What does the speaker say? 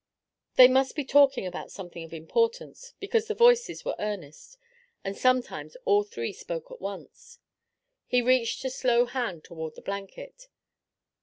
They must be talking about something of importance, because the voices were earnest, and sometimes all three spoke at once. He reached a slow hand toward the blanket.